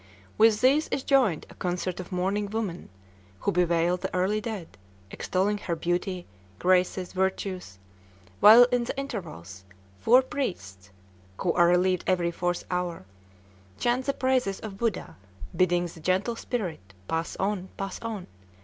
With these is joined a concert of mourning women, who bewail the early dead, extolling her beauty, graces, virtues; while in the intervals, four priests (who are relieved every fourth hour) chant the praises of Buddha, bidding the gentle spirit "Pass on! Pass on!"